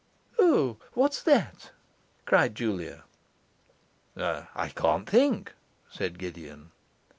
'O, what's that?' cried Julia. 'I can't think,' said Gideon.